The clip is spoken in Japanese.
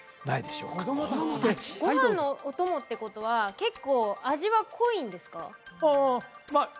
はいどうぞご飯のお供ってことは結構味は濃いんですか？